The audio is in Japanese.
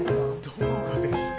どこがですか？